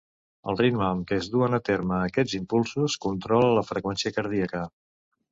El ritme amb què es duen a terme aquests impulsos controla la freqüència cardíaca.